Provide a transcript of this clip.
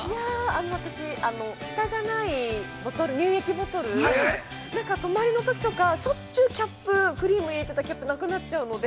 ◆私、ふたがないボトル、乳液ボトル、なんか泊まりのときとか、しょっちゅうキャップ、クリームを入れていた、キャップがなくなるので。